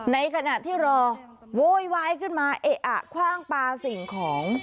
ในขณะที่รอโวยวายขึ้นมาเอะอะคว่างปลาสิ่งของ